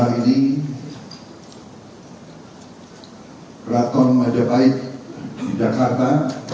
pada saat ini terdapat pelaku maja baik di jakarta